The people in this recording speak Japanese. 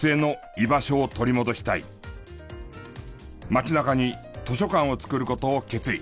街中に図書館を作る事を決意。